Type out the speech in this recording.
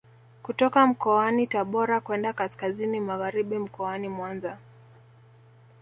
Kutoka mkoani Tabora kwenda kaskazini magharibi mkoani Mwanza